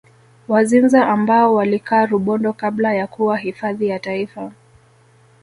Wazinza ambao walikaa Rubondo kabla ya kuwa hifadhi ya Taifa